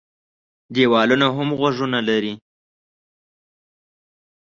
دېوالونه هم غوږونه لري.